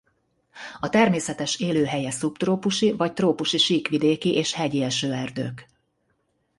A természetes élőhelye szubtrópusi vagy trópusi síkvidéki és hegyi esőerdők.